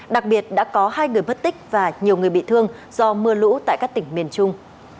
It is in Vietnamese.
đặc biệt đã có hai người mất tích và nhiều người bị thương do mưa lũ tại các tỉnh miền trung